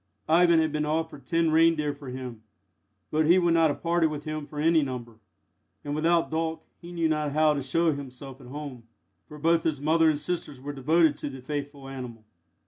Ivan had been offered ten reindeer for him, but he would not have parted with him for any number, and without Dolk he knew not how to show himself at home, for both his mother and sisters were devoted to the faithful animal.